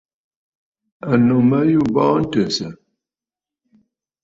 Ànnù ma yû a bɔɔ ntɨ̀nsə̀.